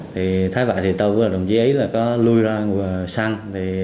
thì thái bại thì tôi với đồng chí ý có lui ra và xăng